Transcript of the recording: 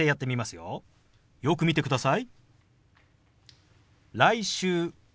よく見てください。